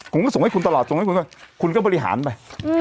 คุณก็ส่งให้คุณตลอดส่งให้คุณก็บริหารไป